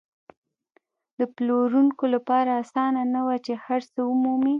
د پلورونکو لپاره اسانه نه وه چې هر څه ومومي.